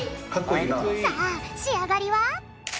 さあしあがりは？